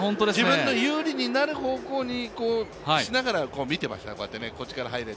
自分の有利になる方向にしながら見てましたね。